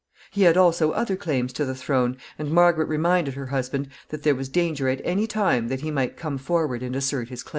He had also other claims to the throne, and Margaret reminded her husband that there was danger at any time that he might come forward and assert his claims.